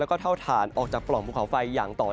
และเท่าฐานออกจากกล่องภูเขาไฟ